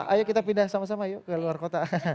ayo kita pindah sama sama yuk ke luar kota